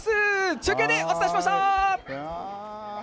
中継でお伝えしました。